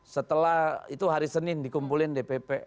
setelah itu hari senin dikumpulin dpp